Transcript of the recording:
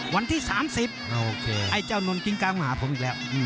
วันที่๓๐ไอ้เจ้านนกิงกางมาหาผมอีกแล้ว